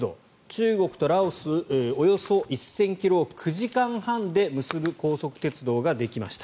中国とラオスおよそ１０００ｋｍを９時間半で結ぶ高速鉄道ができました。